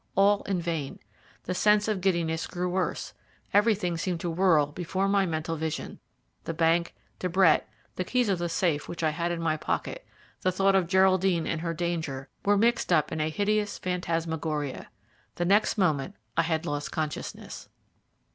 All in vain the sense of giddiness grew worse, everything seemed to whirl before my mental vision the bank, De Brett, the keys of the safe which I had in my pocket, the thought of Geraldine and her danger, were mixed up in a hideous phantasmagoria. The next moment I had lost consciousness.